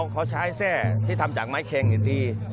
เขาใช้แทร่ที่ทำจากไม้เค็งอยู่ดี